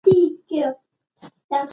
د کور نظم د نارینه په ذمه دی.